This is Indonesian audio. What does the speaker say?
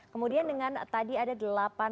kemudian dengan tadi ada delapan